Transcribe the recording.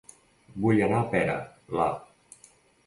Vull anar a Pera, la